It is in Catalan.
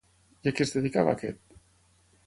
I a què es dedicava aquest?